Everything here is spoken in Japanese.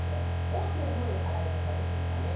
大きな声で払いますからいいですかね。